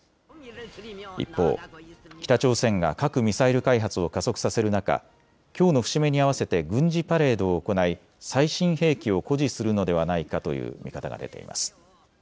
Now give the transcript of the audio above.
一方、北朝鮮が核・ミサイル開発を加速させる中、きょうの節目に合わせて軍事パレードを行い、最新兵器を誇示するのではないかという見方が出ています。